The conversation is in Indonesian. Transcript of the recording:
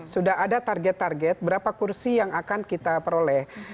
sudah ada target target berapa kursi yang akan kita peroleh